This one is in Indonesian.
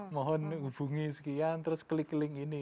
mohon hubungi sekian terus klik link ini